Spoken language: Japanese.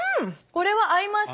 これは合います。